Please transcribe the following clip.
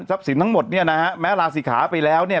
สินทั้งหมดเนี่ยนะฮะแม้ลาศิขาไปแล้วเนี่ย